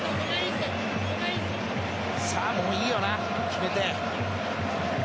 もういいよな、決めて。